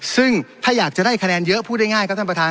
ซึ่งถ้าอยากจะได้คะแนนเยอะพูดง่ายครับท่านประธาน